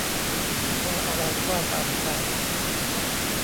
ว่าอะไรว่าตามกัน